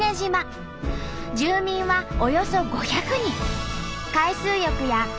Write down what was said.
住民はおよそ５００人。